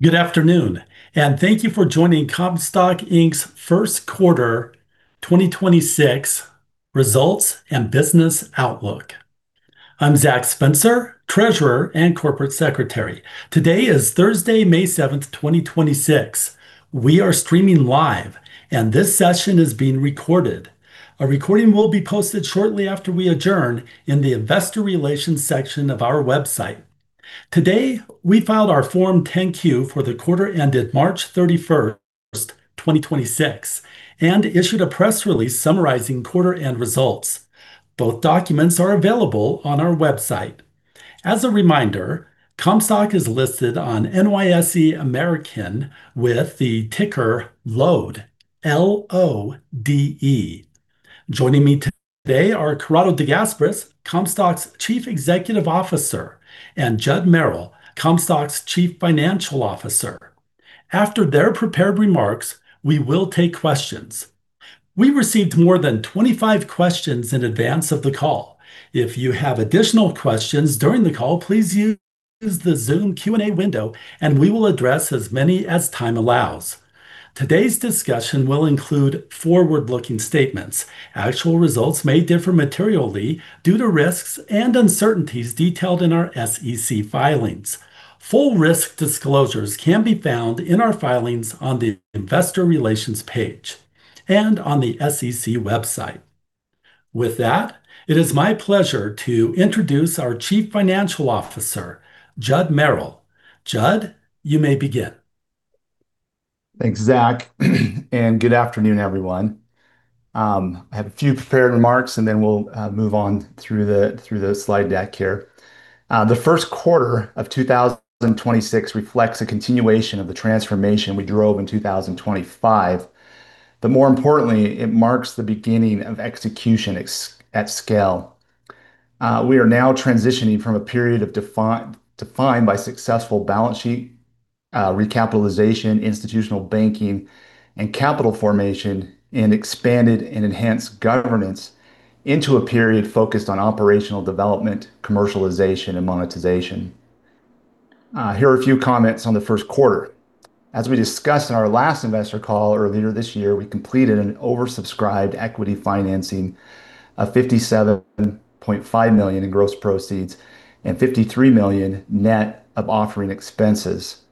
Good afternoon, and thank you for joining Comstock Inc.'s first quarter 2026 results and business outlook. I'm Zach Spencer, Treasurer and Corporate Secretary. Today is Thursday, May 7th, 2026. We are streaming live, and this session is being recorded. A recording will be posted shortly after we adjourn in the investor relations section of our website. Today, we filed our Form 10-Q for the quarter ended March 31st, 2026, and issued a press release summarizing quarter-end results. Both documents are available on our website. As a reminder, Comstock is listed on NYSE American with the ticker LODE, L-O-D-E. Joining me today are Corrado De Gasperis, Comstock's Chief Executive Officer, and Judd Merrill, Comstock's Chief Financial Officer. After their prepared remarks, we will take questions. We received more than 25 questions in advance of the call. If you have additional questions during the call, please use the Zoom Q&A window, and we will address as many as time allows. Today's discussion will include forward-looking statements. Actual results may differ materially due to risks and uncertainties detailed in our SEC filings. Full risk disclosures can be found in our filings on the investor relations page and on the SEC website. With that, it is my pleasure to introduce our Chief Financial Officer, Judd Merrill. Judd, you may begin. Thanks, Zach. Good afternoon, everyone. I have a few prepared remarks, then we'll move on through the slide deck here. The first quarter of 2026 reflects a continuation of the transformation we drove in 2025. More importantly, it marks the beginning of execution at scale. We are now transitioning from a period defined by successful balance sheet recapitalization, institutional banking, and capital formation, and expanded and enhanced governance into a period focused on operational development, commercialization, and monetization. Here are a few comments on the first quarter. As we discussed in our last investor call earlier this year, we completed an oversubscribed equity financing of $57.5 million in gross proceeds and $53 million net of offering expenses.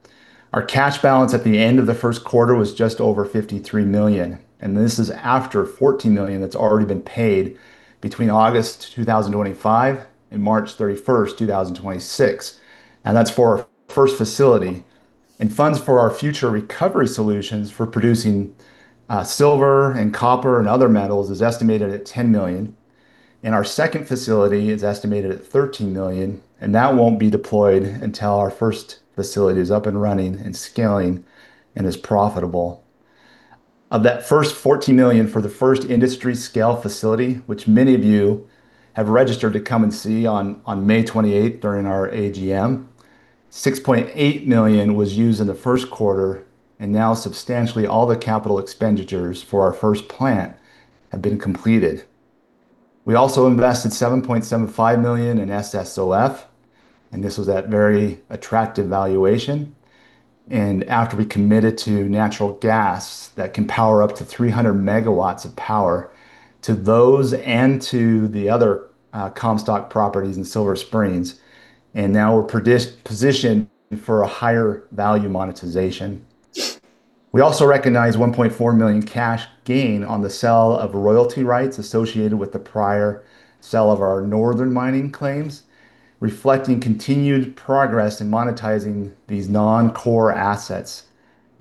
Our cash balance at the end of the first quarter was just over $53 million. This is after $14 million that's already been paid between August 2025 and March 31st, 2026, that's for our first facility. Funds for our future recovery solutions for producing silver and copper and other metals is estimated at $10 million. Our second facility is estimated at $13 million, that won't be deployed until our first facility is up and running and scaling and is profitable. Of that first $14 million for the first industry scale facility, which many of you have registered to come and see on May 28th during our AGM, $6.8 million was used in the first quarter. Now substantially all the capital expenditures for our first plant have been completed. We also invested $7.75 million in SSOF, this was at very attractive valuation. After we committed to natural gas that can power up to 300 MW of power to those and to the other Comstock properties in Silver Springs, now we're positioned for a higher value monetization. We also recognized $1.4 million cash gain on the sale of royalty rights associated with the prior sale of our northern mining claims, reflecting continued progress in monetizing these non-core assets.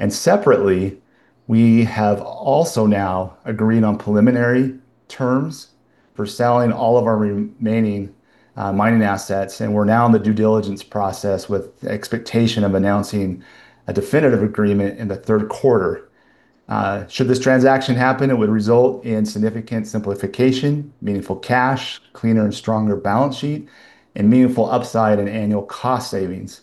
Separately, we have also now agreed on preliminary terms for selling all of our remaining mining assets. We're now in the due diligence process with the expectation of announcing a definitive agreement in the third quarter. Should this transaction happen, it would result in significant simplification, meaningful cash, cleaner and stronger balance sheet, and meaningful upside in annual cost savings.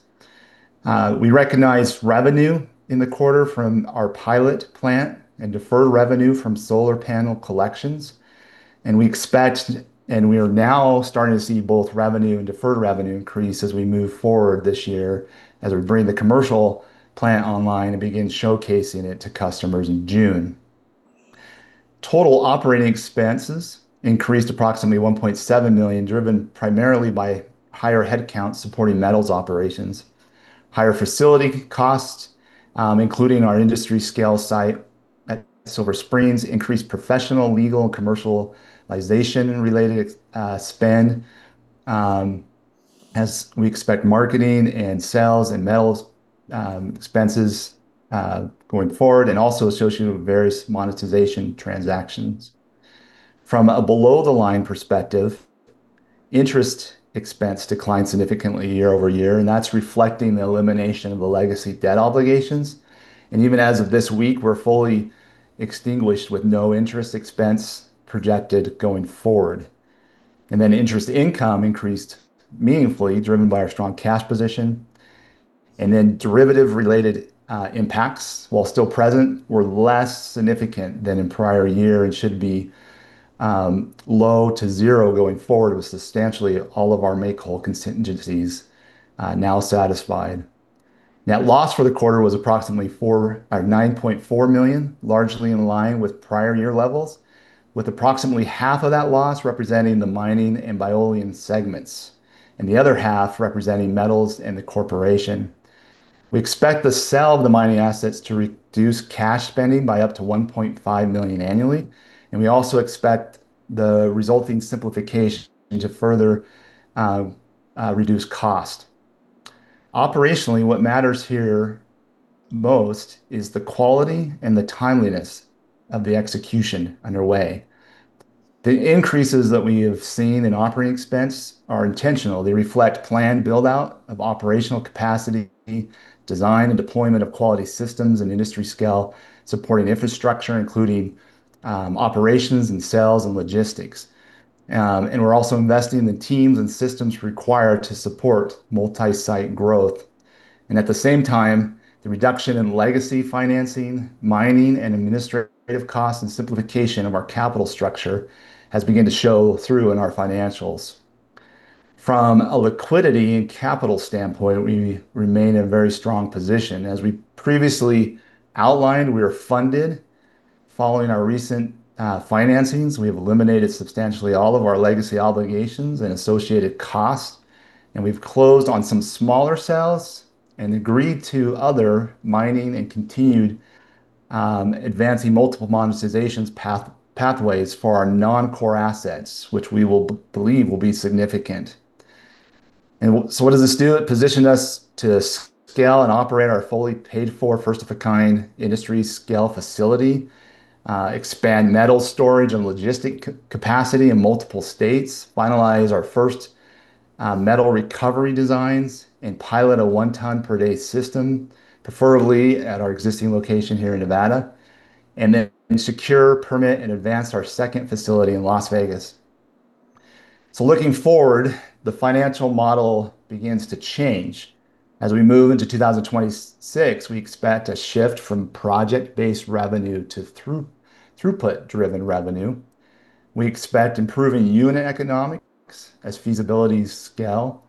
We recognized revenue in the quarter from our pilot plant and deferred revenue from solar panel collections, and we are now starting to see both revenue and deferred revenue increase as we move forward this year as we bring the commercial plant online and begin showcasing it to customers in June. Total operating expenses increased approximately $1.7 million, driven primarily by higher headcount supporting metals operations, higher facility costs, including our industry scale site at Silver Springs, increased professional, legal, and commercialization related spend, as we expect marketing and sales and metals expenses going forward and also associated with various monetization transactions. From a below-the-line perspective, interest expense declined significantly year over year, and that's reflecting the elimination of the legacy debt obligations. Even as of this week, we're fully extinguished with no interest expense projected going forward. Interest income increased meaningfully, driven by our strong cash position. Derivative related impacts, while still present, were less significant than in prior year and should be low to zero going forward with substantially all of our make-whole contingencies now satisfied. Net loss for the quarter was approximately $9.4 million, largely in line with prior year levels, with approximately half of that loss representing the mining and Bioleum segments, and the other half representing metals and the corporation. We expect the sale of the mining assets to reduce cash spending by up to $1.5 million annually. We also expect the resulting simplification to further reduce cost. Operationally, what matters here most is the quality and the timeliness of the execution underway. The increases that we have seen in operating expense are intentional. They reflect planned build-out of operational capacity, design and deployment of quality systems and industry scale, supporting infrastructure, including operations and sales and logistics. We're also investing in the teams and systems required to support multi-site growth. At the same time, the reduction in legacy financing, mining and administrative costs and simplification of our capital structure has begun to show through in our financials. From a liquidity and capital standpoint, we remain in a very strong position. As we previously outlined, we are funded following our recent financings. We have eliminated substantially all of our legacy obligations and associated costs, and we've closed on some smaller sales and agreed to other mining and continued advancing multiple monetizations pathways for our non-core assets, which we believe will be significant. What does this do? It positioned us to scale and operate our fully paid for first-of-a-kind industry scale facility, expand metal storage and logistic capacity in multiple states, finalize our first metal recovery designs, and pilot a 1 ton per day system, preferably at our existing location here in Nevada, and then secure permit and advance our second facility in Las Vegas. Looking forward, the financial model begins to change. As we move into 2026, we expect a shift from project-based revenue to throughput driven revenue. We expect improving unit economics as feasibilities scale.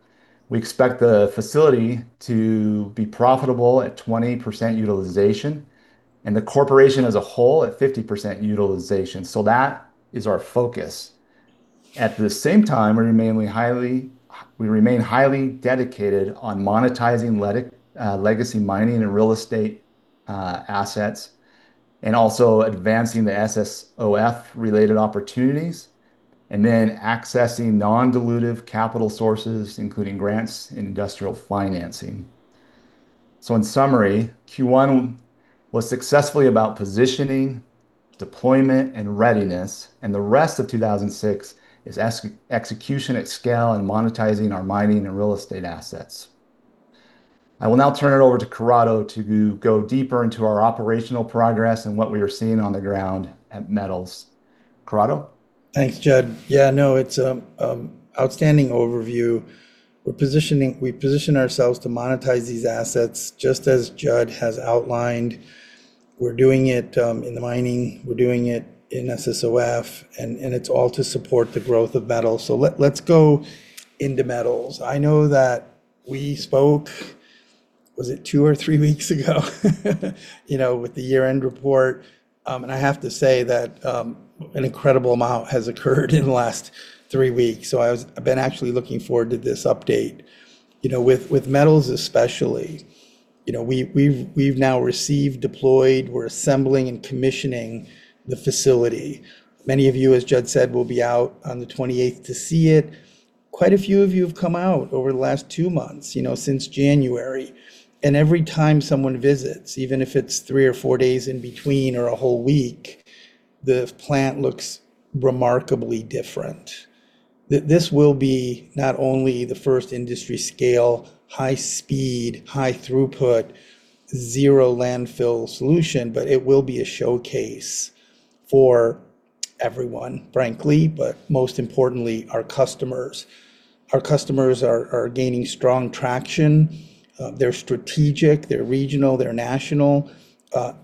We expect the facility to be profitable at 20% utilization, and the corporation as a whole at 50% utilization. That is our focus. At the same time, we remain highly dedicated on monetizing legacy mining and real estate assets, also advancing the SSOF related opportunities, and accessing non-dilutive capital sources, including grants and industrial financing. In summary, Q1 was successfully about positioning, deployment, and readiness, and the rest of 2006 is execution at scale and monetizing our mining and real estate assets. I will now turn it over to Corrado to go deeper into our operational progress and what we are seeing on the ground at Metals. Corrado? Thanks, Judd. Yeah, no, it's outstanding overview. We position ourselves to monetize these assets just as Judd has outlined. We're doing it in the mining, we're doing it in SSOF, and it's all to support the growth of metals. Let's go into metals. I know that we spoke, was it two or three weeks ago, you know, with the year-end report. I have to say that an incredible amount has occurred in the last three weeks. I've been actually looking forward to this update. You know, with metals especially, you know, we've now received, deployed, we're assembling and commissioning the facility. Many of you, as Judd said, will be out on the 28th to see it. Quite a few of you have come out over the last two months, you know, since January. Every time someone visits, even if it's three or four days in between or a whole week, the plant looks remarkably different. This will be not only the first industry scale, high speed, high throughput, zero landfill solution, but it will be a showcase for everyone, frankly, but most importantly, our customers. Our customers are gaining strong traction. They're strategic, they're regional, they're national.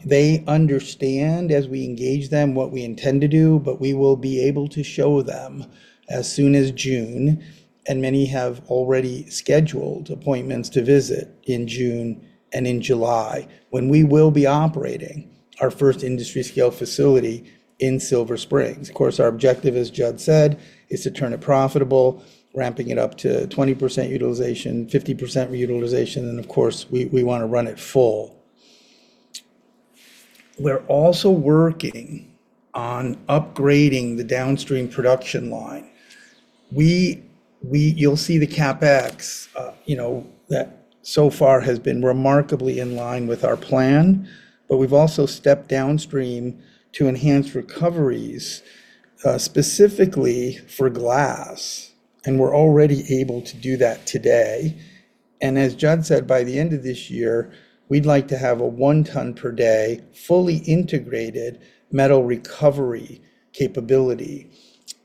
They understand as we engage them what we intend to do, but we will be able to show them as soon as June, and many have already scheduled appointments to visit in June and in July when we will be operating our first industry scale facility in Silver Springs. Of course, our objective, as Judd said, is to turn it profitable, ramping it up to 20% utilization, 50% utilization, and of course, we wanna run it full. We're also working on upgrading the downstream production line. You'll see the CapEx, you know, that so far has been remarkably in line with our plan, but we've also stepped downstream to enhance recoveries, specifically for glass, and we're already able to do that today. As Judd said, by the end of this year, we'd like to have a 1 ton per day fully integrated metal recovery capability.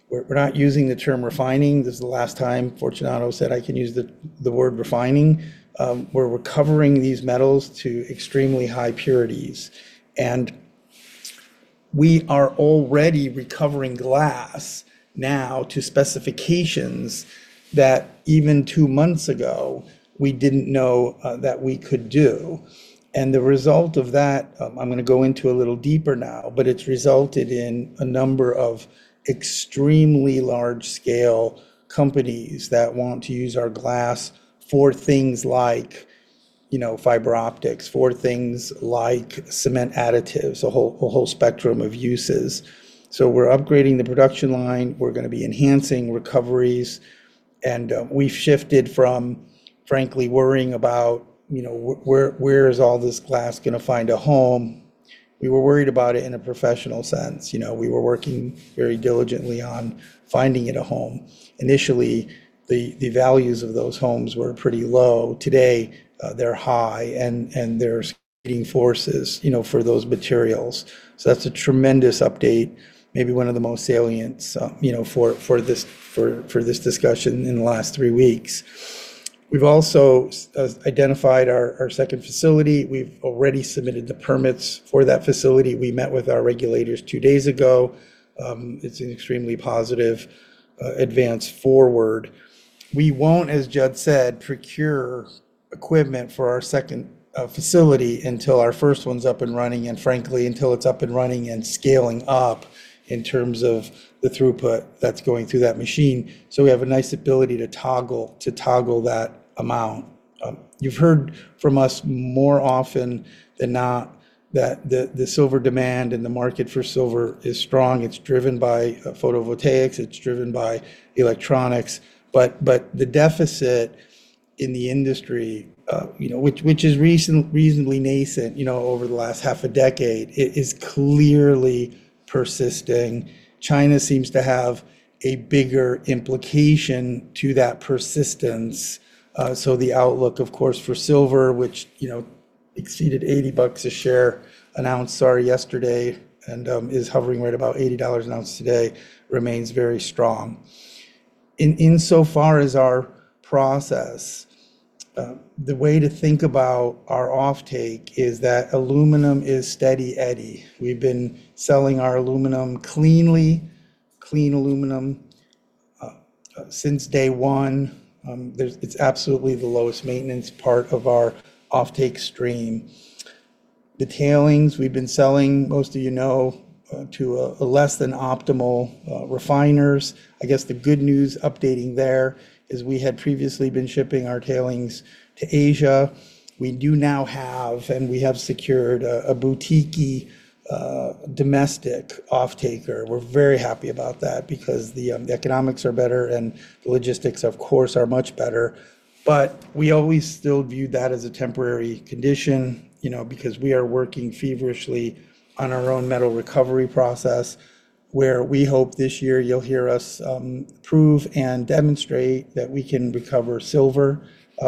We're not using the term refining. This is the last time Fortunato said I can use the word refining. We're recovering these metals to extremely high purities. We are already recovering glass now to specifications that even two months ago we didn't know that we could do. The result of that, I'm gonna go into a little deeper now, but it's resulted in a number of extremely large scale companies that want to use our glass for things like, you know, fiber optics, for things like cement additives, a whole spectrum of uses. We're upgrading the production line. We're gonna be enhancing recoveries. We've shifted from frankly worrying about, you know, where is all this glass gonna find a home? We were worried about it in a professional sense. You know, we were working very diligently on finding it a home. Initially, the values of those homes were pretty low. Today, they're high and there's forces, you know, for those materials. That's a tremendous update, maybe one of the most salient, you know, for this discussion in the last three weeks. We've also identified our second facility. We've already submitted the permits for that facility. We met with our regulators two days ago. It's an extremely positive advance forward. We won't, as Judd said, procure equipment for our second facility until our first one's up and running, and frankly, until it's up and running and scaling up in terms of the throughput that's going through that machine. We have a nice ability to toggle that amount. You've heard from us more often than not that the silver demand and the market for silver is strong. It's driven by photovoltaics. It's driven by electronics. The deficit in the industry, you know, which is reasonably nascent, you know, over the last half a decade, is clearly persisting. China seems to have a bigger implication to that persistence. The outlook, of course, for silver, which, you know, exceeded 80 bucks a share, an ounce, sorry, yesterday and is hovering right about $80 an ounce today, remains very strong. Insofar as our process, the way to think about our offtake is that aluminum is steady eddy. We've been selling our aluminum cleanly, clean aluminum, since day one. It's absolutely the lowest maintenance part of our offtake stream. The tailings we've been selling, most of you know, to less than optimal refiners. I guess the good news updating there is we had previously been shipping our tailings to Asia. We do now have, and we have secured a boutiquey domestic offtaker. We're very happy about that because the economics are better and the logistics, of course, are much better. We always still view that as a temporary condition, you know, because we are working feverishly on our own metal recovery process, where we hope this year you'll hear us prove and demonstrate that we can recover silver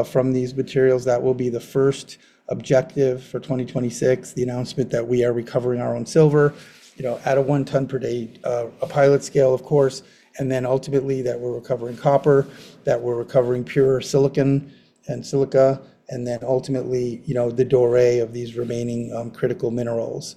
from these materials. That will be the first objective for 2026, the announcement that we are recovering our own silver, you know, at a 1 ton per day pilot scale, of course, and then ultimately that we're recovering copper, that we're recovering pure silicon and silica, and then ultimately, you know, the doré of these remaining critical minerals.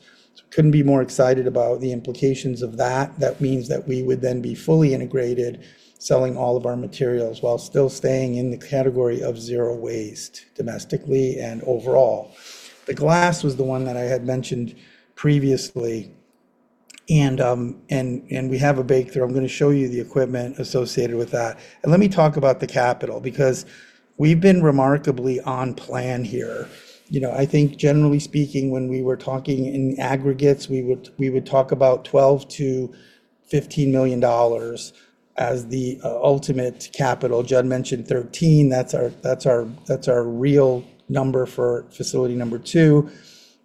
Couldn't be more excited about the implications of that. That means that we would then be fully integrated, selling all of our materials while still staying in the category of zero waste domestically and overall. The glass was the one that I had mentioned previously. We have a bake there. I'm gonna show you the equipment associated with that. Let me talk about the capital because we've been remarkably on plan here. You know, I think generally speaking, when we were talking in aggregates, we would talk about $12 million-$15 million as the ultimate capital. Judd mentioned $13 million. That's our real number for Facility #2.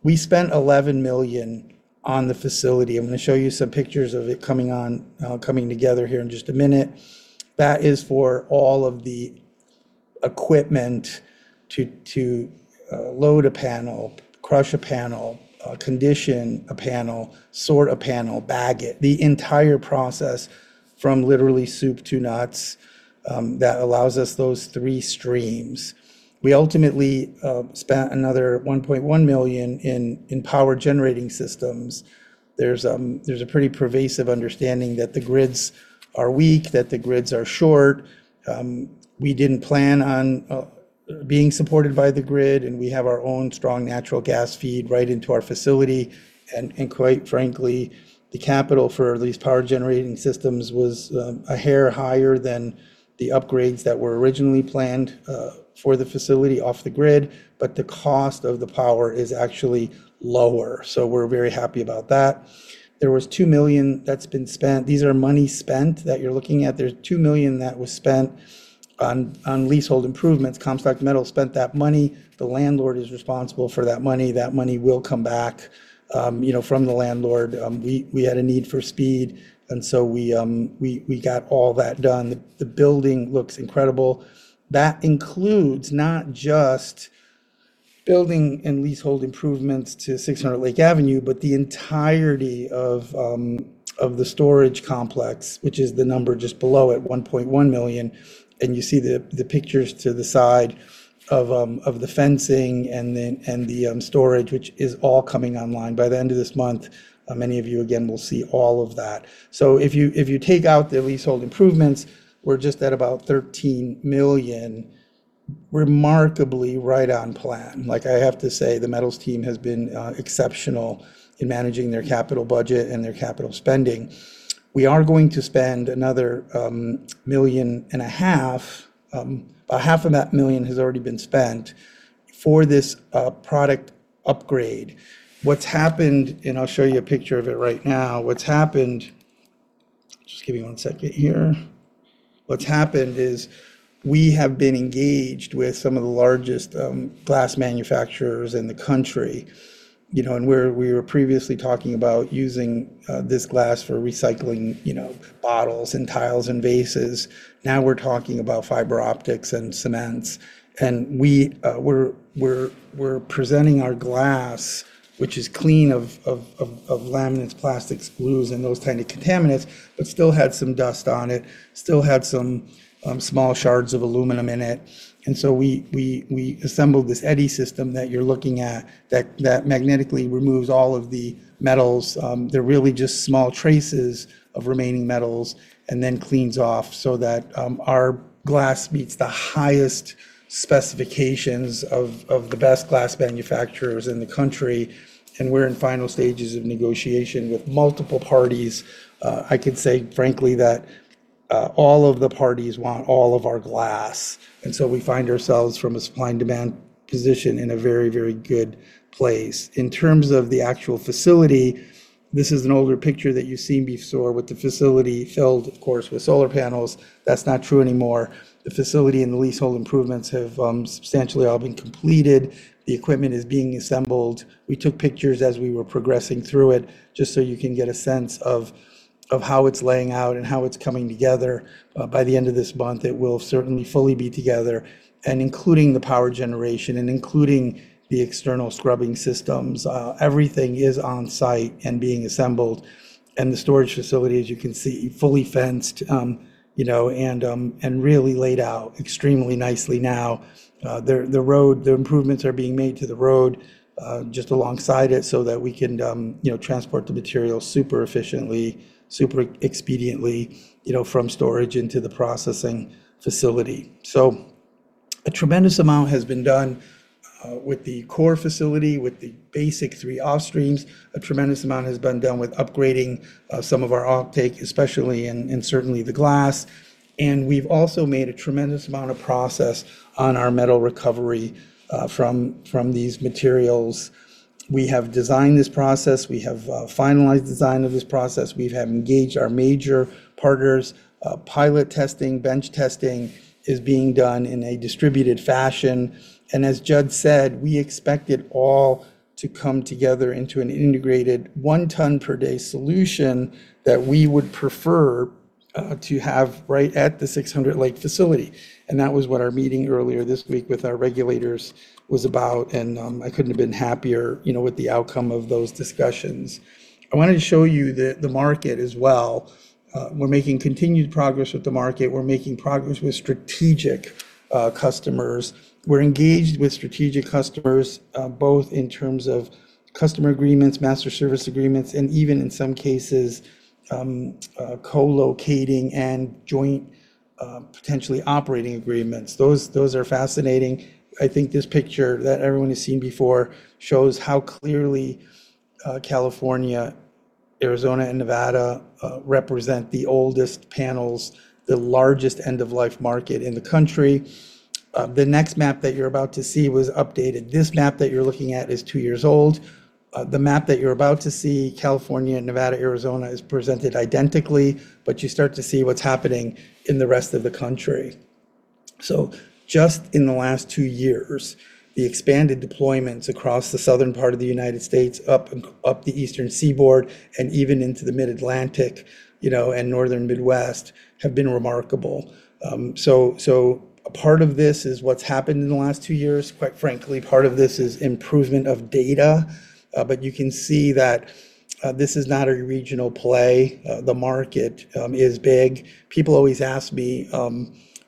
We spent $11 million on the facility. I'm gonna show you some pictures of it coming on, coming together here in just a minute. That is for all of the equipment to load a panel, crush a panel, condition a panel, sort a panel, bag it. The entire process from literally soup to nuts, that allows us those three streams. We ultimately spent another $1.1 million in power generating systems. There's there's a pretty pervasive understanding that the grids are weak, that the grids are short. We didn't plan on being supported by the grid, we have our own strong natural gas feed right into our facility. Quite frankly, the capital for these power generating systems was a hair higher than the upgrades that were originally planned for the facility off the grid. The cost of the power is actually lower. We're very happy about that. There was $2 million that's been spent. These are money spent that you're looking at. There's $2 million that was spent on leasehold improvements. Comstock Metals spent that money. The landlord is responsible for that money. That money will come back, you know, from the landlord. We had a need for speed, we got all that done. The building looks incredible. That includes not just building and leasehold improvements to 600 Lake Avenue, but the entirety of the storage complex, which is the number just below at $1.1 million, you see the pictures to the side of the fencing and the storage, which is all coming online. By the end of this month, many of you again will see all of that. If you take out the leasehold improvements, we're just at about $13 million, remarkably right on plan. Like, I have to say, the metals team has been exceptional in managing their capital budget and their capital spending. We are going to spend another $1.5 million. $0.5 million has already been spent for this product upgrade. What's happened, and I'll show you a picture of it right now. Just give me one second here. What's happened is we have been engaged with some of the largest glass manufacturers in the country, you know, and we were previously talking about using this glass for recycling, you know, bottles and tiles and vases. We're talking about fiber optics and cements. We're presenting our glass, which is clean of laminates, plastics, glues, and those kinds of contaminants, but still had some dust on it, still had some small shards of aluminum in it. So we assembled this eddy system that you're looking at that magnetically removes all of the metals, they're really just small traces of remaining metals, and then cleans off so that our glass meets the highest specifications of the best glass manufacturers in the country, and we're in final stages of negotiation with multiple parties. I can say frankly that all of the parties want all of our glass. So we find ourselves from a supply and demand position in a very, very good place. In terms of the actual facility, this is an older picture that you've seen before with the facility filled, of course, with solar panels. That's not true anymore. The facility and the leasehold improvements have substantially all been completed. The equipment is being assembled. We took pictures as we were progressing through it, just so you can get a sense of how it's laying out and how it's coming together. By the end of this month, it will certainly fully be together. Including the power generation and including the external scrubbing systems, everything is on-site and being assembled. The storage facility, as you can see, fully fenced, you know, and really laid out extremely nicely now. The road, the improvements are being made to the road, just alongside it so that we can, you know, transport the material super efficiently, super expediently, you know, from storage into the processing facility. A tremendous amount has been done with the core facility, with the basic three off streams. A tremendous amount has been done with upgrading, some of our offtake, especially in certainly the glass. We've also made a tremendous amount of process on our metal recovery from these materials. We have designed this process. We have finalized design of this process. We have engaged our major partners. Pilot testing, bench testing is being done in a distributed fashion. As Judd said, we expect it all to come together into an integrated 1 ton per day solution that we would prefer to have right at the 600 lake facility. That was what our meeting earlier this week with our regulators was about, I couldn't have been happier, you know, with the outcome of those discussions. I wanted to show you the market as well. We're making continued progress with the market. We're making progress with strategic customers. We're engaged with strategic customers, both in terms of customer agreements, master service agreements, and even in some cases, co-locating and joint potentially operating agreements. Those are fascinating. I think this picture that everyone has seen before shows how clearly California, Arizona, and Nevada represent the oldest panels, the largest end-of-life market in the country. The next map that you're about to see was updated. This map that you're looking at is two years old. The map that you're about to see, California, Nevada, Arizona, is presented identically, but you start to see what's happening in the rest of the country. Just in the last two years, the expanded deployments across the southern part of the U.S., up the eastern seaboard and even into the mid-Atlantic, you know, and northern Midwest have been remarkable. A part of this is what's happened in the last two years. Quite frankly, part of this is improvement of data, but you can see that this is not a regional play. The market is big. People always ask me,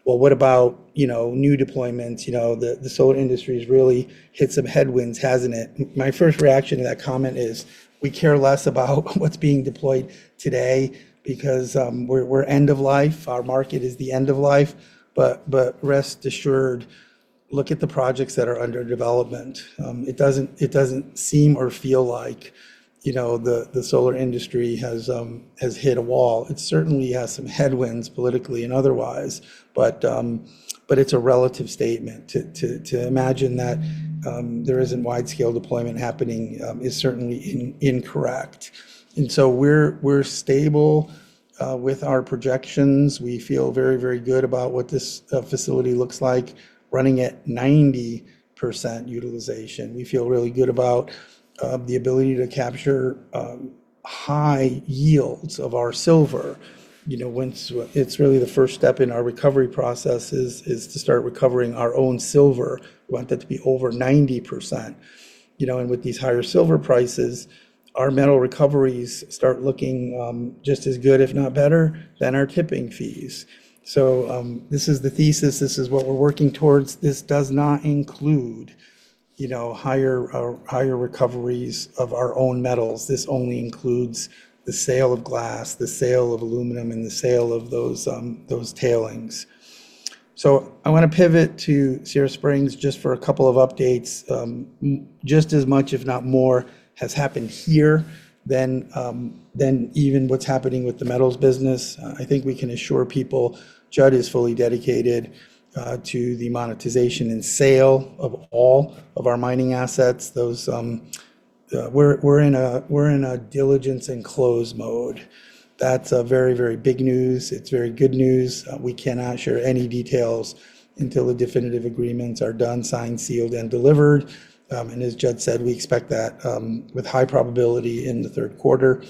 "Well, what about, you know, new deployments? You know, the solar industry has really hit some headwinds, hasn't it?" My first reaction to that comment is we care less about what's being deployed today because we're end of life. Our market is the end of life. Rest assured, look at the projects that are under development. It doesn't seem or feel like, you know, the solar industry has hit a wall. It certainly has some headwinds politically and otherwise, but it's a relative statement. To imagine that there isn't wide-scale deployment happening is certainly incorrect. We're stable with our projections. We feel very good about what this facility looks like running at 90% utilization. We feel really good about the ability to capture high yields of our silver. You know, once it's really the first step in our recovery process is to start recovering our own silver. We want that to be over 90%, you know, and with these higher silver prices, our metal recoveries start looking just as good, if not better, than our tipping fees. This is the thesis. This is what we're working towards. This does not include, you know, higher recoveries of our own metals. This only includes the sale of glass, the sale of aluminum, and the sale of those tailings. I wanna pivot to Sierra Springs just for a couple of updates. Just as much, if not more, has happened here than even what's happening with the metals business. I think we can assure people Judd is fully dedicated to the monetization and sale of all of our mining assets. Those, we're in a diligence and close mode. That's very big news. It's very good news. We cannot share any details until the definitive agreements are done signed, sealed, and delivered. As Judd said, we expect that with high probability in the third quarter.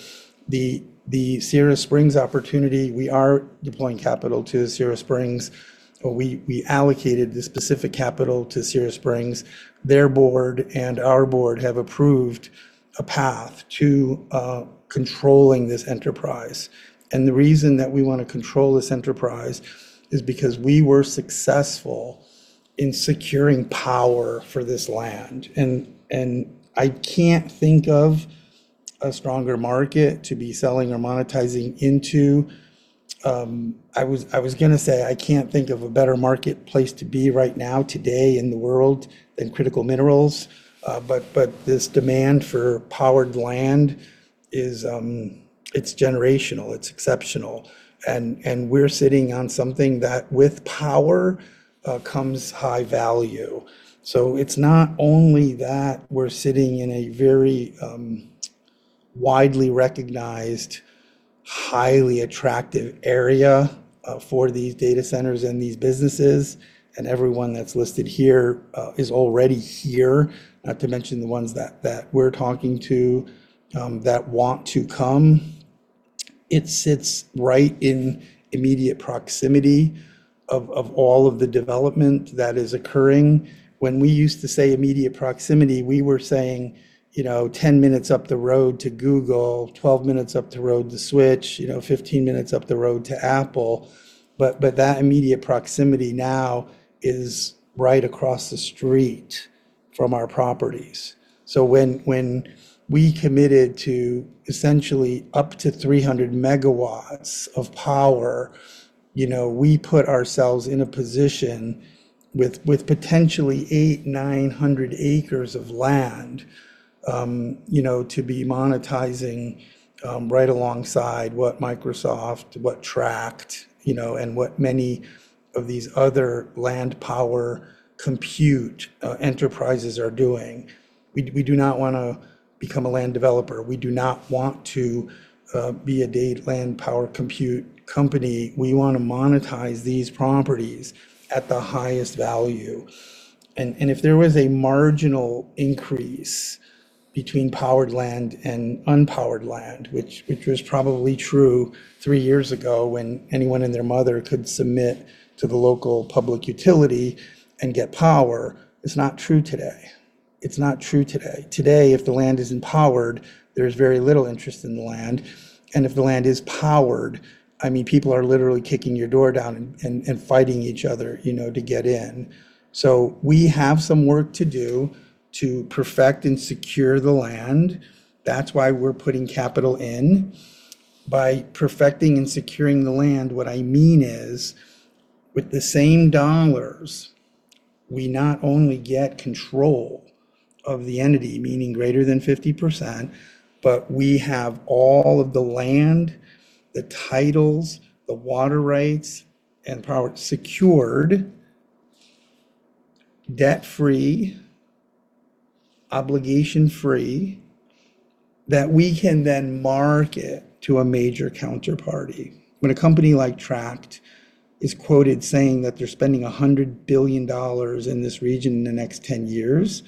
The Sierra Springs opportunity, we are deploying capital to Sierra Springs. We allocated the specific capital to Sierra Springs. Their board and our board have approved a path to controlling this enterprise. The reason that we want to control this enterprise is because we were successful in securing power for this land. I can't think of a stronger market to be selling or monetizing into. I was gonna say, I can't think of a better marketplace to be right now today in the world than critical minerals. This demand for powered land is generational. It's exceptional. We're sitting on something that with power comes high value. It's not only that we're sitting in a very widely recognized, highly attractive area for these data centers and these businesses, and everyone that's listed here is already here. Not to mention the ones that we're talking to that want to come. It sits right in immediate proximity of all of the development that is occurring. When we used to say immediate proximity, we were saying, 10 minutes up the road to Google, 12 minutes up the road to Switch, 15 minutes up the road to Apple. That immediate proximity now is right across the street from our properties. When we committed to essentially up to 300 MW of power, we put ourselves in a position with potentially 800 acres, 900 acres of land, to be monetizing, right alongside what Microsoft, what Tract, and what many of these other land power compute enterprises are doing. We do not wanna become a land developer. We do not want to be a land power compute company. We wanna monetize these properties at the highest value. If there was a marginal increase between powered land and unpowered land, which was probably true three years ago, when anyone and their mother could submit to the local public utility and get power, it's not true today. It's not true today. Today, if the land isn't powered, there's very little interest in the land. If the land is powered, I mean, people are literally kicking your door down and fighting each other, you know, to get in. We have some work to do to perfect and secure the land. That's why we're putting capital in. By perfecting and securing the land, what I mean is, with the same dollars, we not only get control of the entity, meaning greater than 50%, but we have all of the land, the titles, the water rights, and power secured, debt-free, obligation-free, that we can then market to a major counterparty. When a company like Tract is quoted saying that they're spending $100 billion in this region in the next 10 years,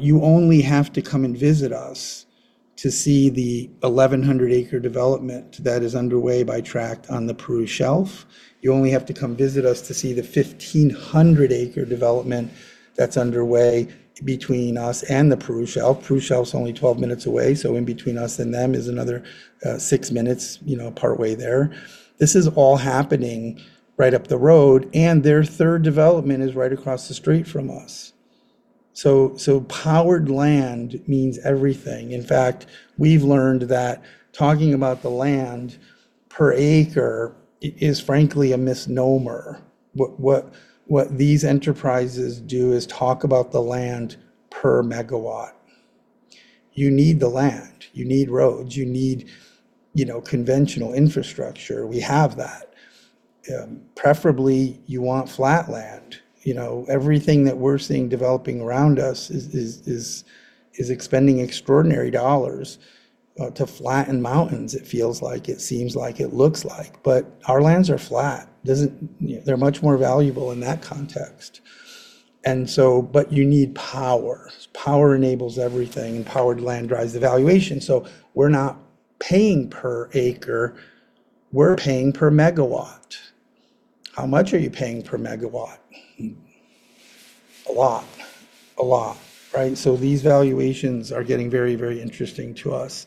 you only have to come and visit us to see the 1,100 acre development that is underway by Tract on the Peru Shelf. You only have to come visit us to see the 1,500 acre development that's underway between us and the Peru Shelf. Peru Shelf's only 12 minutes away, in between us and them is another six minutes, you know, partway there. This is all happening right up the road. Their third development is right across the street from us. Powered land means everything. In fact, we've learned that talking about the land per acre is frankly a misnomer. What these enterprises do is talk about the land per megawatt. You need the land. You need roads. You need, you know, conventional infrastructure. We have that. Preferably, you want flat land. You know, everything that we're seeing developing around us is expending extraordinary dollars to flatten mountains, it feels like, it seems like, it looks like. Our lands are flat. They're much more valuable in that context. You need power. Power enables everything. Powered land drives the valuation. We're not paying per acre, we're paying per megawatt. How much are you paying per megawatt? A lot. A lot, right? These valuations are getting very, very interesting to us.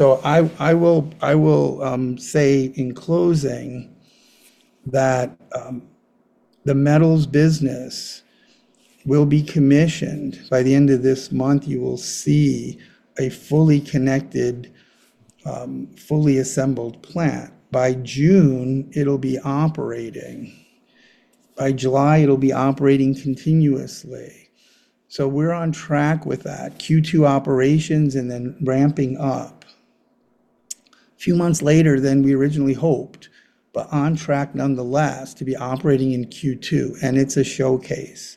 I will say in closing that the metals business will be commissioned. By the end of this month, you will see a fully connected, fully assembled plant. By June, it'll be operating. By July, it'll be operating continuously. We're on track with that, Q2 operations and then ramping up. A few months later than we originally hoped, but on track nonetheless to be operating in Q2, and it's a showcase.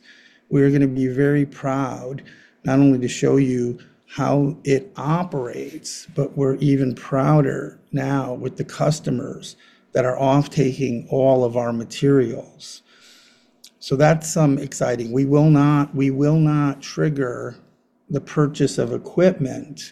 We're gonna be very proud not only to show you how it operates, but we're even prouder now with the customers that are offtaking all of our materials. That's exciting. We will not trigger the purchase of equipment,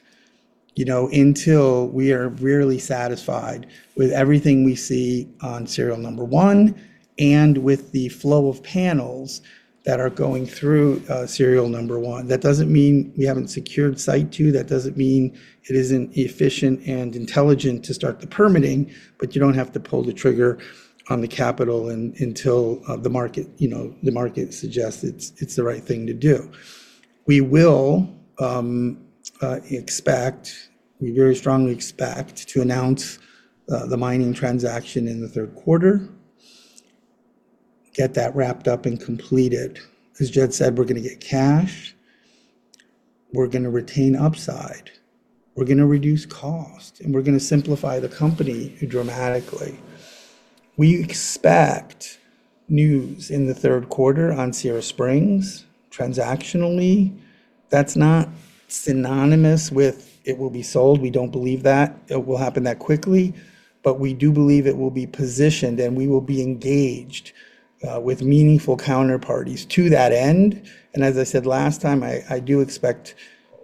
you know, until we are really satisfied with everything we see on serial number one and with the flow of panels that are going through serial number one. That doesn't mean we haven't secured site two. That doesn't mean it isn't efficient and intelligent to start the permitting, but you don't have to pull the trigger on the capital until the market, you know, the market suggests it's the right thing to do. We will expect, we very strongly expect to announce the mining transaction in the third quarter, get that wrapped up and completed. As Judd said, we're gonna get cash, we're gonna retain upside, we're gonna reduce cost, and we're gonna simplify the company dramatically. We expect news in the third quarter on Sierra Springs. Transactionally, that's not synonymous with it will be sold. We don't believe that it will happen that quickly, but we do believe it will be positioned, and we will be engaged with meaningful counterparties to that end. As I said last time, I do expect,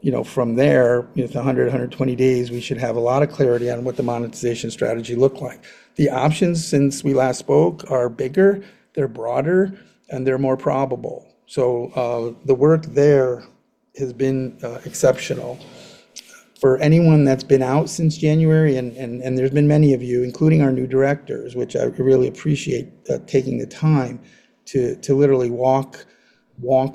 you know, from there, you know, the 100 days, 120 days, we should have a lot of clarity on what the monetization strategy look like. The options since we last spoke are bigger, they're broader, and they're more probable. The work there has been exceptional. For anyone that's been out since January, and there's been many of you, including our new directors, which I really appreciate taking the time to literally walk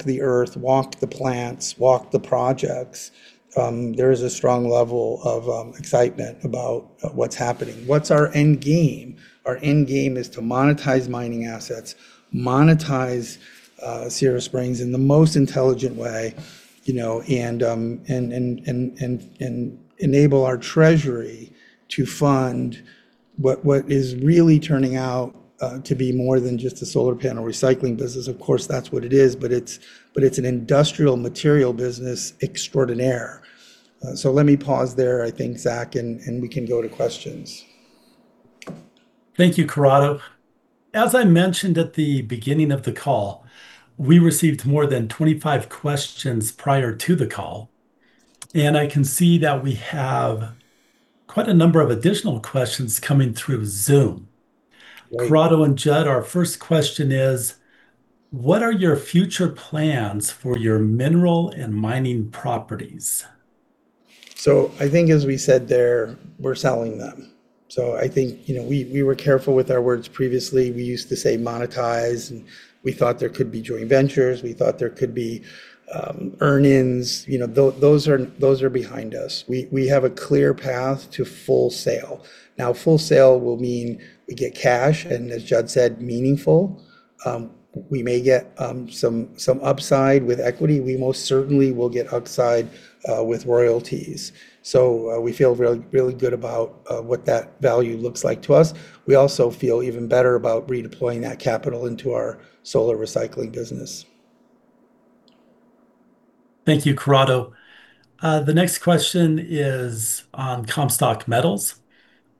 the earth, walk the plants, walk the projects. There is a strong level of excitement about what's happening. What's our end game? Our end game is to monetize mining assets, monetize Sierra Springs in the most intelligent way, you know, and enable our treasury to fund what is really turning out to be more than just a solar panel recycling business. That's what it is, but it's an industrial material business extraordinaire. Let me pause there, I think, Zach, and we can go to questions. Thank you, Corrado. As I mentioned at the beginning of the call, we received more than 25 questions prior to the call. I can see that we have quite a number of additional questions coming through Zoom. Right. Corrado and Judd, our first question is: What are your future plans for your mineral and mining properties? I think as we said there, we're selling them. I think, you know, we were careful with our words previously. We used to say monetize, and we thought there could be joint ventures. We thought there could be earn-ins. You know, those are behind us. We have a clear path to full sale. Now, full sale will mean we get cash and, as Judd said, meaningful. We may get some upside with equity. We most certainly will get upside with royalties. We feel really good about what that value looks like to us. We also feel even better about redeploying that capital into our solar recycling business. Thank you, Corrado. The next question is on Comstock Metals.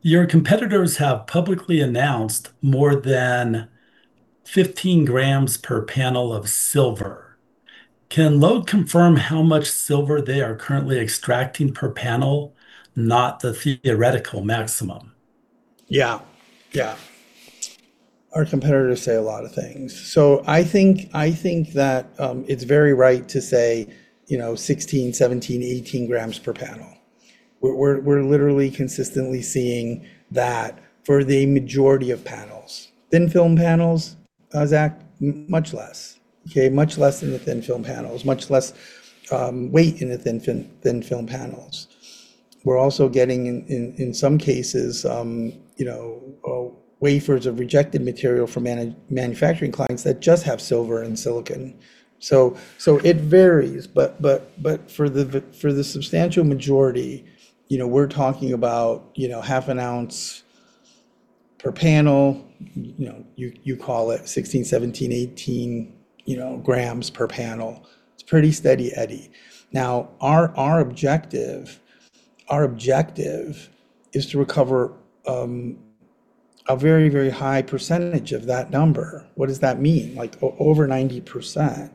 Your competitors have publicly announced more than 15 grams per panel of silver. Can LODE confirm how much silver they are currently extracting per panel, not the theoretical maximum? Yeah. Yeah. Our competitors say a lot of things. I think that it's very right to say, you know, 16, 17, 18 grams per panel. We're literally consistently seeing that for the majority of panels. Thin-film panels, Zach, much less, okay? Much less in the thin-film panels. Much less weight in the thin-film panels. We're also getting in some cases, you know, wafers of rejected material for manufacturing clients that just have silver and silicon. It varies, but for the substantial majority, you know, we're talking about, you know, half an ounce per panel. You know, you call it 16, 17, 18, you know, grams per panel. It's pretty steady eddy. Our objective is to recover a very, very high percentage of that number. What does that mean? Like, over 90%.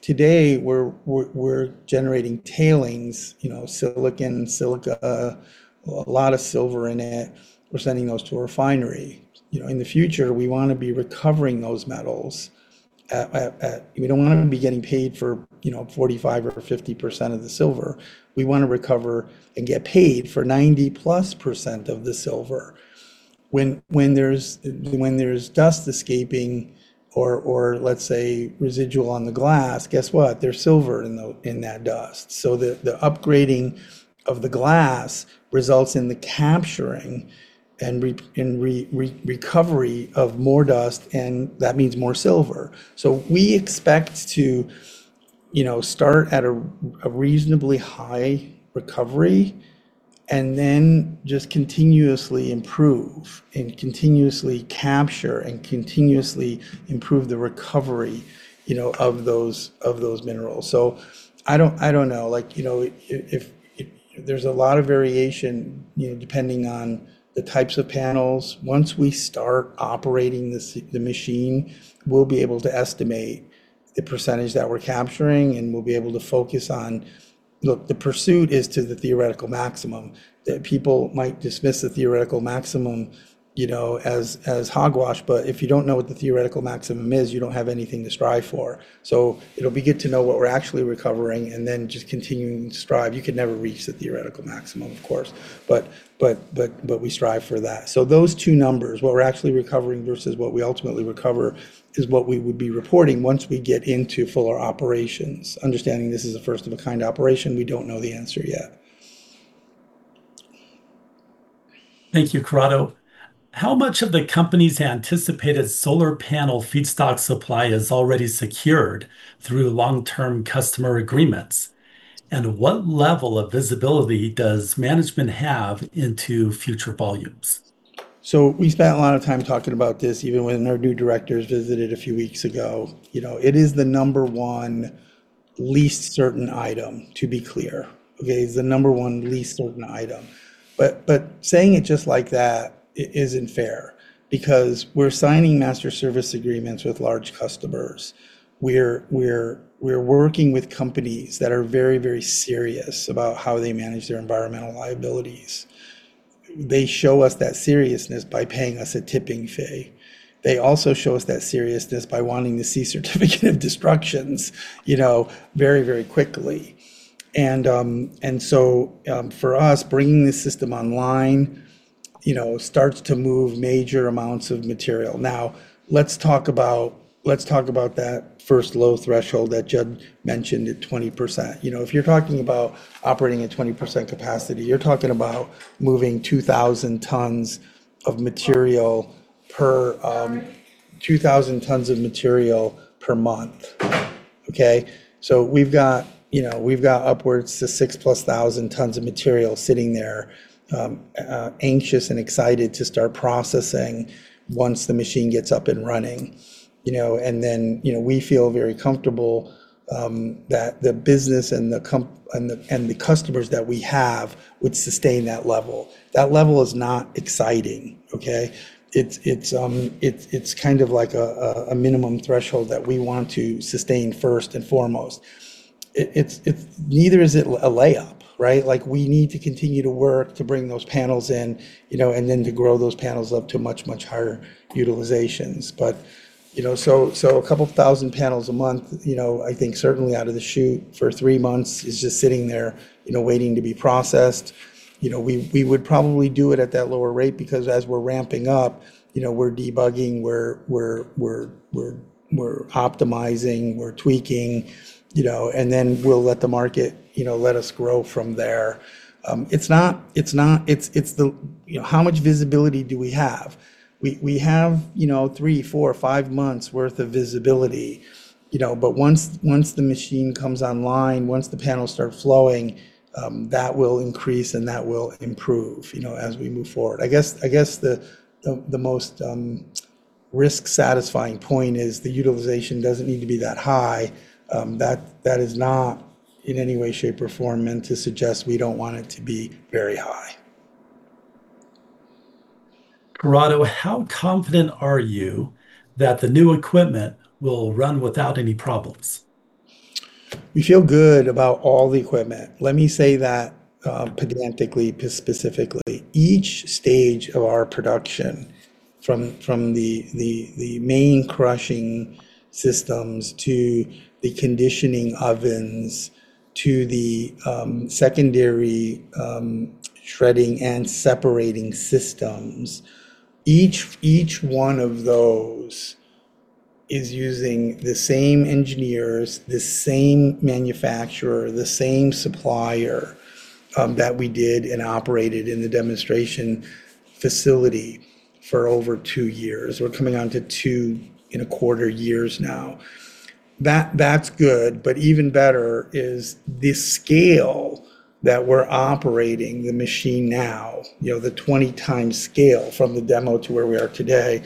Today we're generating tailings, you know, silicon, silica, a lot of silver in it. We're sending those to a refinery. You know, in the future we wanna be recovering those metals. We don't wanna be getting paid for, you know, 45% or 50% of the silver. We wanna recover and get paid for 90+% of the silver. When there's dust escaping or let's say residual on the glass, guess what? There's silver in that dust. The upgrading of the glass results in the capturing and recovery of more dust, and that means more silver. We expect to, you know, start at a reasonably high recovery and then just continuously improve and continuously capture and continuously improve the recovery, you know, of those, of those minerals. I don't, I don't know. Like, you know, if there's a lot of variation, you know, depending on the types of panels. Once we start operating the machine, we'll be able to estimate the percentage that we're capturing, and we'll be able to focus on Look, the pursuit is to the theoretical maximum that people might dismiss the theoretical maximum, you know, as hogwash, but if you don't know what the theoretical maximum is, you don't have anything to strive for. It'll be good to know what we're actually recovering and then just continuing to strive. You can never reach the theoretical maximum, of course, but we strive for that. Those two numbers, what we're actually recovering versus what we ultimately recover, is what we would be reporting once we get into fuller operations. Understanding this is a first of a kind operation, we don't know the answer yet. Thank you, Corrado. How much of the company's anticipated solar panel feedstock supply is already secured through long-term customer agreements? What level of visibility does management have into future volumes? We spent a lot of time talking about this, even when our new directors visited a few weeks ago. You know, it is the number one least certain item, to be clear. It's the number one least certain item. Saying it just like that isn't fair because we're signing master service agreements with large customers. We're working with companies that are very, very serious about how they manage their environmental liabilities. They show us that seriousness by paying us a tipping fee. They also show us that seriousness by wanting to see certificates of destruction, you know, very, very quickly. For us, bringing this system online, you know, starts to move major amounts of material. Let's talk about that first low threshold that Judd mentioned at 20%. You know, if you're talking about operating at 20% capacity, you're talking about moving 2,000 tons of material per, 2,000 tons of material per month, okay? We've got, you know, upwards to 6,000+ tons of material sitting there, anxious and excited to start processing once the machine gets up and running, you know. You know, we feel very comfortable that the business and the customers that we have would sustain that level. That level is not exciting, okay? It's kind of like a minimum threshold that we want to sustain first and foremost. Neither is it a layup, right? Like, we need to continue to work to bring those panels in, you know, and then to grow those panels up to much, much higher utilizations. So 2,000 panels a month, you know, I think certainly out of the chute for three months is just sitting there, you know, waiting to be processed. We would probably do it at that lower rate because as we're ramping up, you know, we're debugging, we're optimizing, we're tweaking, you know, and then we'll let the market, you know, let us grow from there. It's the, you know, how much visibility do we have? We have, you know, three, four, five months worth of visibility, you know. Once the machine comes online, once the panels start flowing, that will increase, and that will improve, you know, as we move forward. I guess the most risk-satisfying point is the utilization doesn't need to be that high. That is not in any way, shape, or form meant to suggest we don't want it to be very high. Corrado, how confident are you that the new equipment will run without any problems? We feel good about all the equipment. Let me say that, pedantically, specifically. Each stage of our production, from the main crushing systems to the conditioning ovens to the secondary shredding and separating systems, each one of those is using the same engineers, the same manufacturer, the same supplier that we did and operated in the demonstration facility for over two years. We're coming onto two and a quarter years now. That's good, but even better is the scale that we're operating the machine now. You know, the 20 times scale from the demo to where we are today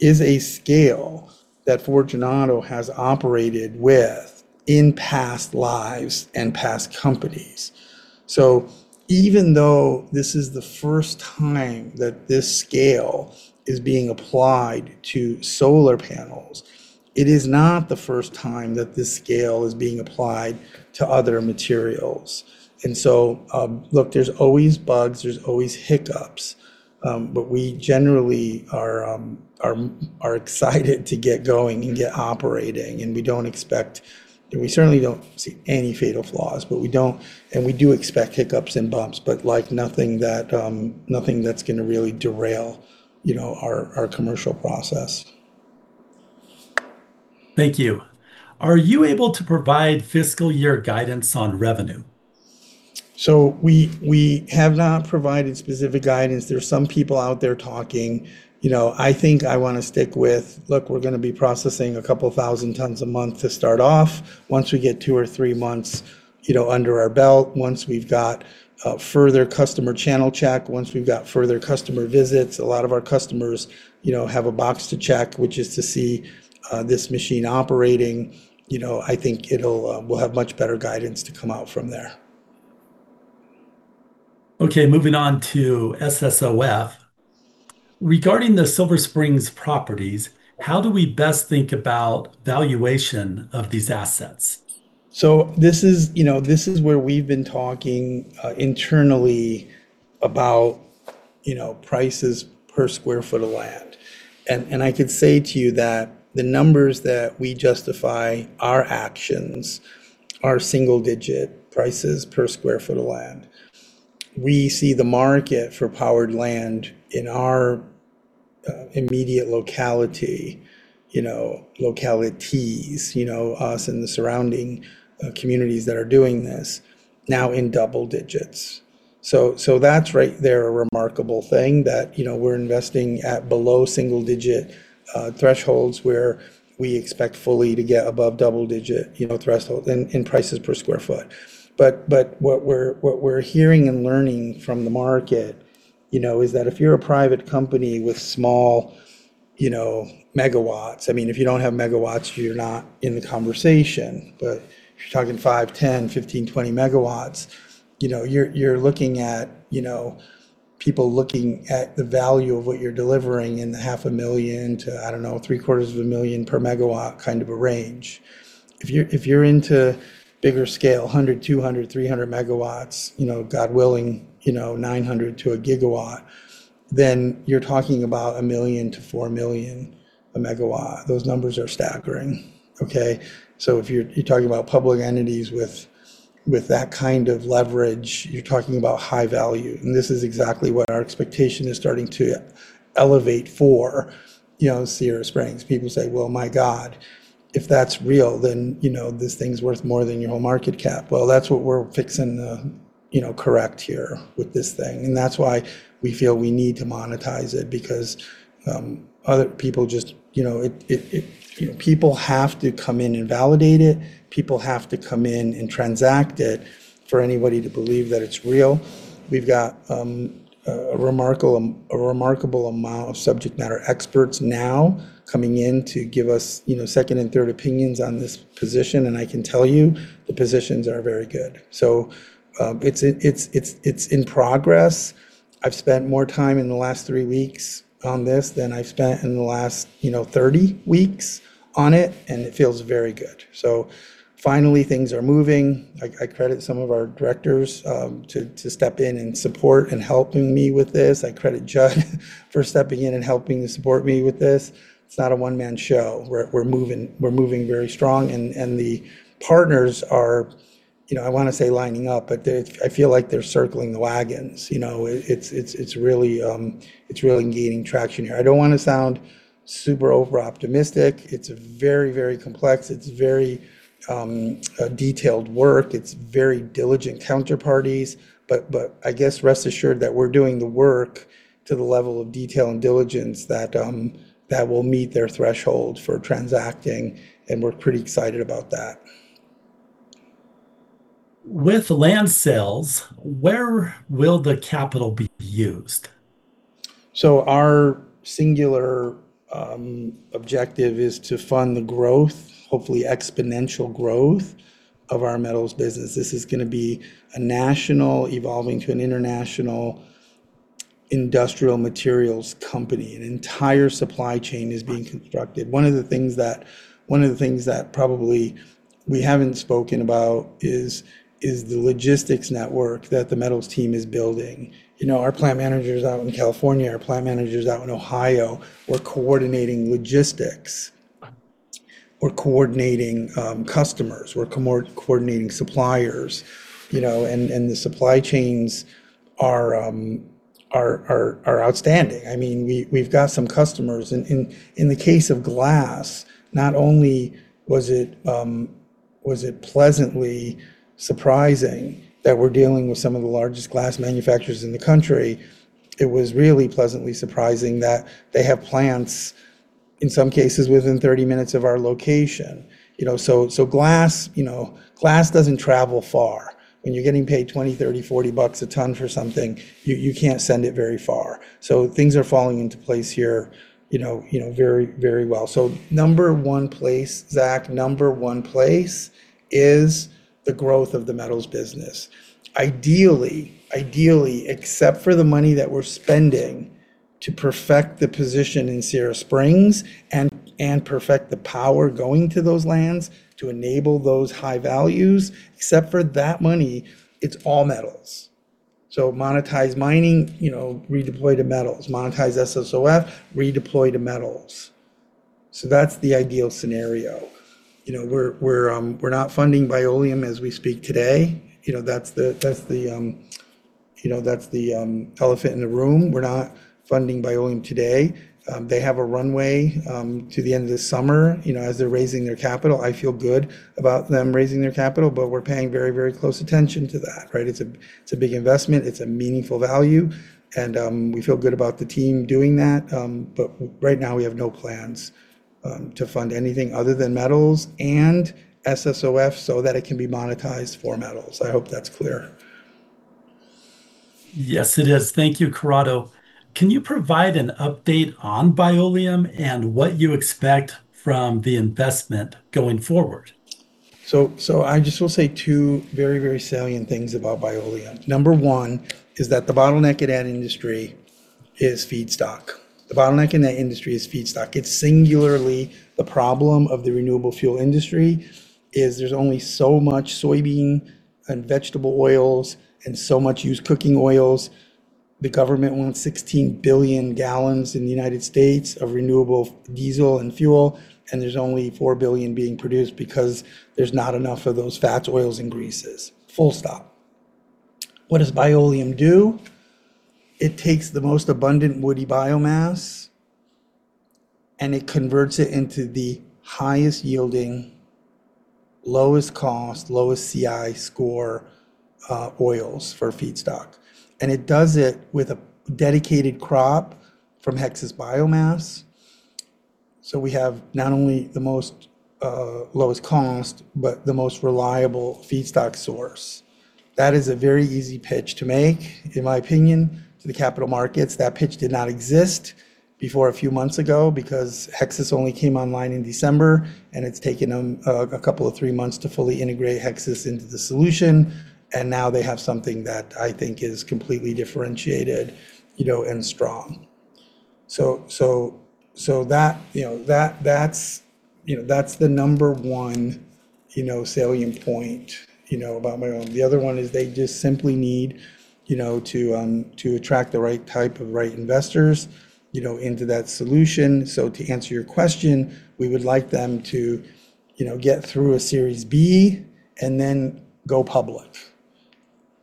is a scale that Fortunato has operated with in past lives and past companies. Even though this is the first time that this scale is being applied to solar panels, it is not the first time that this scale is being applied to other materials. Look, there's always bugs, there's always hiccups, but we generally are excited to get going and get operating, and we certainly don't see any fatal flaws, but we do expect hiccups and bumps, but, like, nothing that's going to really derail, you know, our commercial process. Thank you. Are you able to provide fiscal year guidance on revenue? We have not provided specific guidance. There are some people out there talking. You know, I think I wanna stick with, look, we're gonna be processing 2,000 tons a month to start off. Once we get two or three months, you know, under our belt, once we've got further customer channel check, once we've got further customer visits, a lot of our customers, you know, have a box to check, which is to see this machine operating. You know, I think it'll, we'll have much better guidance to come out from there. Okay, moving on to SSOF. Regarding the Sierra Springs properties, how do we best think about valuation of these assets? This is, you know, this is where we've been talking, you know, prices per square foot of land. I can say to you that the numbers that we justify our actions are single-digit prices per square foot of land. We see the market for powered land in our immediate localities, you know, us and the surrounding communities that are doing this now in double digits. That's right there a remarkable thing that, you know, we're investing at below single digit thresholds where we expect fully to get above double digit, you know, threshold in prices per square foot. What we're hearing and learning from the market, you know, is that if you're a private company with small, you know, megawatts, I mean, if you don't have megawatts, you're not in the conversation. If you're talking 5 MW, 10 MW, 15 MW, 20 MW, you know, you're looking at, you know, people looking at the value of what you're delivering in the half a million to, I don't know, three-quarters of a million per megawatt kind of a range. If you're into bigger scale, 100 MW, 200 MW, 300 MW, you know, God willing, you know, 900 to a GW, you're talking about $1 million-$4 million MW. Those numbers are staggering, okay. If you're talking about public entities with that kind of leverage, you're talking about high value, and this is exactly what our expectation is starting to elevate for, you know, Sierra Springs. People say, "Well, my God. If that's real, then, you know, this thing's worth more than your whole market cap." Well, that's what we're fixing, you know, correct here with this thing, and that's why we feel we need to monetize it because other people just, you know, it. You know, people have to come in and validate it. People have to come in and transact it for anybody to believe that it's real. We've got a remarkable amount of subject matter experts now coming in to give us, you know, second and third opinions on this position, and I can tell you the positions are very good. It's in progress. I've spent more time in the last three weeks on this than I've spent in the last, you know, 30 weeks on it, and it feels very good. Finally things are moving. I credit some of our directors to step in and support in helping me with this. I credit Judd for stepping in and helping to support me with this. It's not a one-man show. We're moving, we're moving very strong and the partners are, you know, I wanna say lining up, but I feel like they're circling the wagons. You know, it's really gaining traction here. I don't wanna sound super over-optimistic. It's very complex. It's very detailed work. It's very diligent counterparties. I guess rest assured that we're doing the work to the level of detail and diligence that will meet their threshold for transacting, and we're pretty excited about that. With land sales, where will the capital be used? Our singular objective is to fund the growth, hopefully exponential growth of our metals business. This is gonna be a national evolving to an international industrial materials company. An entire supply chain is being constructed. One of the things that probably we haven't spoken about is the logistics network that the metals team is building. You know, our plant managers out in California, our plant managers out in Ohio, we're coordinating logistics. We're coordinating customers. We're coordinating suppliers, you know, and the supply chains are outstanding. I mean, we've got some customers in the case of glass, not only was it pleasantly surprising that we're dealing with some of the largest glass manufacturers in the country. It was really pleasantly surprising that they have plants, in some cases, within 30 minutes of our location. You know, glass, you know, glass doesn't travel far. When you're getting paid $20, $30, $40 a ton for something, you can't send it very far. Things are falling into place here, you know, you know, very well. Number one place, Zach, is the growth of the metals business. Ideally, except for the money that we're spending to perfect the position in Sierra Springs and perfect the power going to those lands to enable those high values, except for that money, it's all metals. Monetize mining, you know, redeploy to metals. Monetize SSOF, redeploy to metals. That's the ideal scenario. You know, we're not funding Bioleum as we speak today. You know, that's the, you know, that's the elephant in the room. We're not funding Bioleum today. They have a runway to the end of the summer, you know, as they're raising their capital. I feel good about them raising their capital, but we're paying very, very close attention to that, right? It's a big investment. It's a meaningful value, and we feel good about the team doing that. Right now we have no plans to fund anything other than metals and SSOF so that it can be monetized for metals. I hope that's clear. Yes, it is. Thank you, Corrado. Can you provide an update on Bioleum and what you expect from the investment going forward? I just will say two very, very salient things about Bioleum. Number one is that the bottleneck in that industry is feedstock. The bottleneck in that industry is feedstock. It's singularly the problem of the renewable fuel industry is there's only so much soybean and vegetable oils and so much used cooking oils. The government wants 16 billion gal in the U.S. of renewable diesel and fuel, and there's only 4 billion being produced because there's not enough of those fats, oils, and greases. Full stop. What does Bioleum do? It takes the most abundant woody biomass, and it converts it into the highest-yielding, lowest cost, lowest CI score oils for feedstock. It does it with a dedicated crop from Hexas Biomass. We have not only the most lowest cost, but the most reliable feedstock source. That is a very easy pitch to make, in my opinion, to the capital markets. That pitch did not exist before a few months ago because Hexas only came online in December, and it's taken them a couple of three months to fully integrate Hexas into the solution. Now they have something that I think is completely differentiated, you know, and strong. That, you know, that's, you know, that's the number one, you know, salient point, you know, about Bioleum. The other one is they just simply need, you know, to attract the right type of right investors, you know, into that solution. To answer your question, we would like them to, you know, get through a Series B and then go public.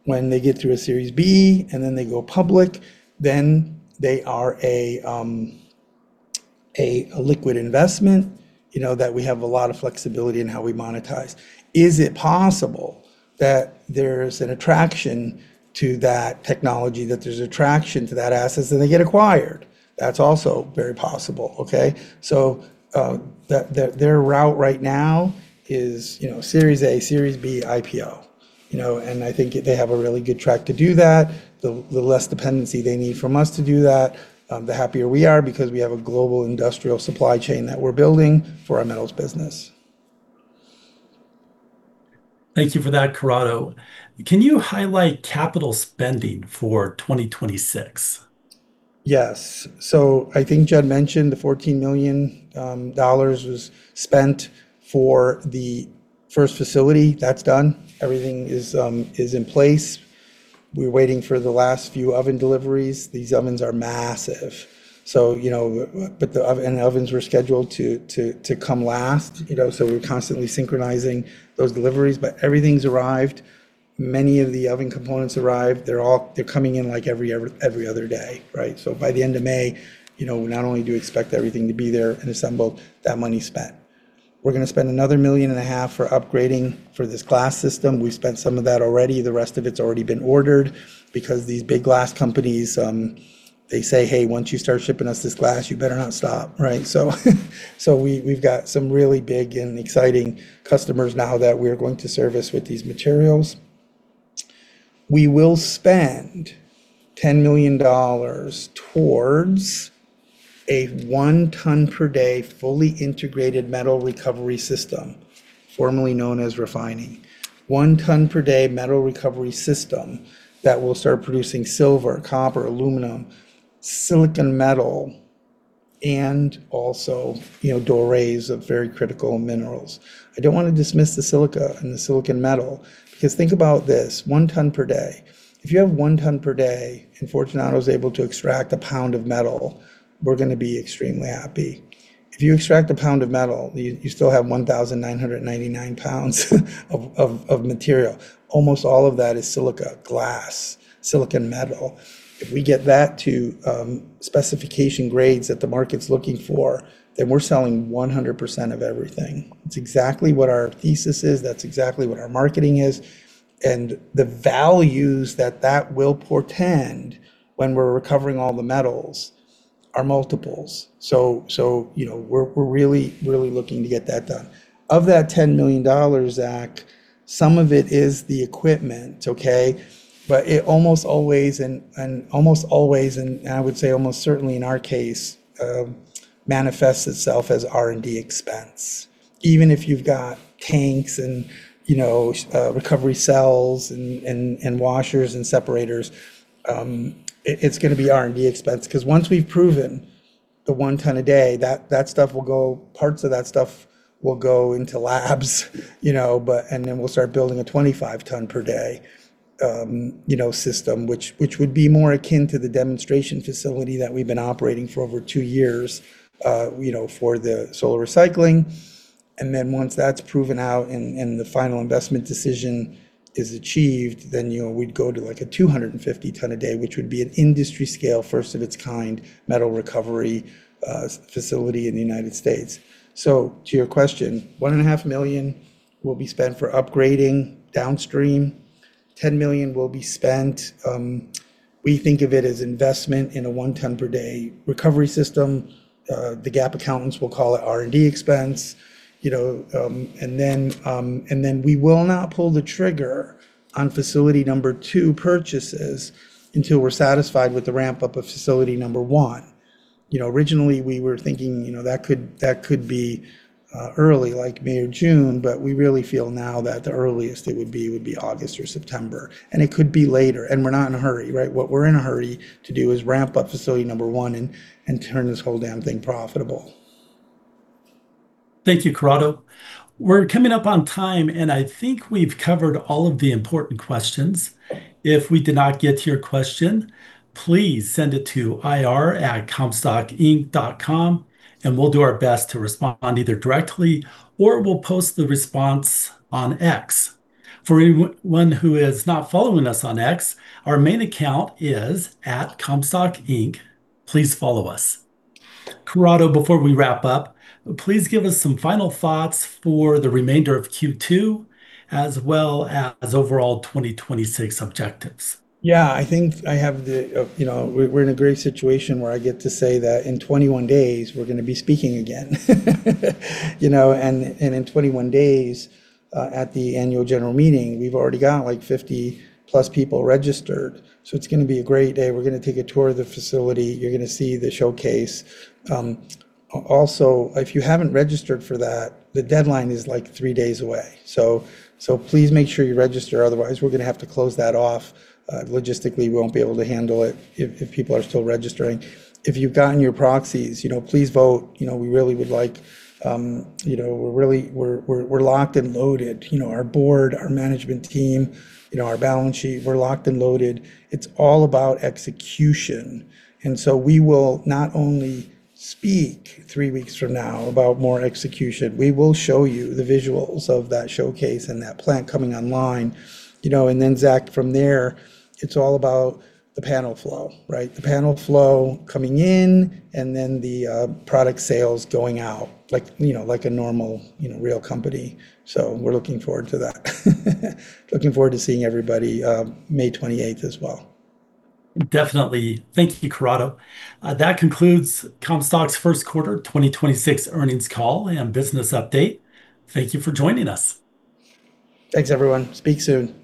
When they get through a Series B and then they go public, then they are a liquid investment, you know, that we have a lot of flexibility in how we monetize. Is it possible that there's an attraction to that technology, that there's attraction to that asset, and they get acquired? That's also very possible, okay? Their route right now is, you know, Series A, Series B, IPO. You know, I think they have a really good track to do that. The less dependency they need from us to do that, the happier we are because we have a global industrial supply chain that we're building for our metals business. Thank you for that, Corrado. Can you highlight capital spending for 2026? Yes. I think Judd mentioned the $14 million was spent for the first facility. That's done. Everything is in place. We're waiting for the last few oven deliveries. These ovens are massive. The oven, and ovens were scheduled to come last, you know, we're constantly synchronizing those deliveries. Everything's arrived. Many of the oven components arrived. They're coming in like every other day, right? By the end of May, you know, not only do we expect everything to be there and assembled, that money spent. We're gonna spend another $1.5 million for upgrading for this glass system. We spent some of that already. The rest of it's already been ordered because these big glass companies, they say, "Hey, once you start shipping us this glass, you better not stop," right? We've got some really big and exciting customers now that we're going to service with these materials. We will spend $10 million towards a 1 ton per day fully integrated metal recovery system, formerly known as refining. 1 ton per day metal recovery system that will start producing silver, copper, aluminum, silicon metal, and also, you know, dorés of very critical minerals. I don't want to dismiss the silica and the silicon metal because think about this, 1 ton per day. If you have 1 ton per day, and Fortunato is able to extract 1 lbs of metal, we're gonna be extremely happy. If you extract a pound of metal, you still have 1,999 lbs of material. Almost all of that is silica glass, silicon metal. If we get that to specification grades that the market's looking for, we're selling 100% of everything. It's exactly what our thesis is. That's exactly what our marketing is. The values that that will portend when we're recovering all the metals are multiples. You know, we're really looking to get that done. Of that $10 million, Zach, some of it is the equipment, okay? It almost always and almost always, and I would say almost certainly in our case, manifests itself as R&D expense. Even if you've got tanks and recovery cells and washers and separators, it's gonna be R&D expense. Once we've proven the 1 ton a day, parts of that stuff will go into labs and then we'll start building a 25 ton per day system, which would be more akin to the demonstration facility that we've been operating for over two years for the solar recycling. Then once that's proven out and the final investment decision is achieved, we'd go to like a 250 ton a day, which would be an industry scale, first of its kind metal recovery facility in the United States. To your question, $1.5 Million will be spent for upgrading downstream. $10 million will be spent, we think of it as investment in a 1 ton per day recovery system. The GAAP accountants will call it R&D expense. You know, then we will not pull the trigger on Facility #2 purchases until we're satisfied with the ramp up of Facility #1. You know, originally we were thinking, you know, that could, that could be early like May or June, we really feel now that the earliest it would be would be August or September, it could be later, we're not in a hurry, right? What we're in a hurry to do is ramp up Facility #1 and turn this whole damn thing profitable. Thank you, Corrado. We're coming up on time, and I think we've covered all of the important questions. If we did not get to your question, please send it to ir@comstockinc.com, and we'll do our best to respond either directly or we'll post the response on X. For anyone who is not following us on X, our main account is at Comstock Inc. Please follow us. Corrado, before we wrap up, please give us some final thoughts for the remainder of Q2 as well as overall 2026 objectives. Yeah, I think I have the, you know, we're in a great situation where I get to say that in 21 days we're gonna be speaking again. You know, in 21 days, at the Annual General Meeting, we've already got like 50+ people registered, so it's gonna be a great day. We're gonna take a tour of the facility. You're gonna see the showcase. Also, if you haven't registered for that, the deadline is like three days away. Please make sure you register, otherwise we're gonna have to close that off. Logistically, we won't be able to handle it if people are still registering. If you've gotten your proxies, you know, please vote. You know, we really would like, you know, we're locked and loaded. You know, our board, our management team, you know, our balance sheet, we're locked and loaded. It's all about execution. We will not only speak three weeks from now about more execution, we will show you the visuals of that showcase and that plant coming online. You know, Zach, from there, it's all about the panel flow, right? The panel flow coming in, the product sales going out, like, you know, like a normal, you know, real company. We're looking forward to that. Looking forward to seeing everybody, May 28th as well. Definitely. Thank you, Corrado. That concludes Comstock's first quarter 2026 earnings call and business update. Thank you for joining us. Thanks everyone. Speak soon.